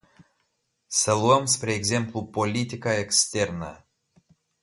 Să luăm spre exemplu politica externă.